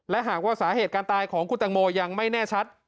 และหากว่าสาเหตุการตายของคุณตังโมยังไม่แน่ชัด